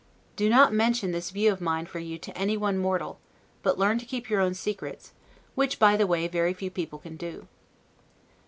Do not mention this view of mine for you to any one mortal; but learn to keep your own secrets, which, by the way, very few people can do.